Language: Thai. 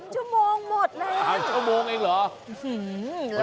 ชั่วโมงหมดแล้ว๕ชั่วโมงเองเหรอ